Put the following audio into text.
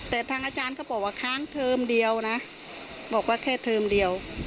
แต่ทางอาจารย์เขาบอกว่าค้างเทอมเดียวนะบอกว่าแค่เทอมเดียว